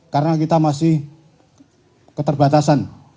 karena kita masih keterbatasan